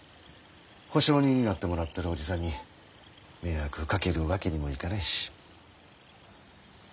保証人になってもらってる叔父さんに迷惑かけるわけにもいかないし。